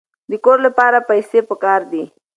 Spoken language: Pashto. د کور لپاره پیسې پکار دي.